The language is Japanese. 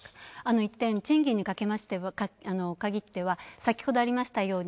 一点、賃金にかぎっては先ほどありましたように、